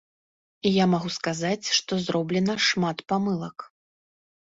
Я магу сказаць, што зроблена шмат памылак.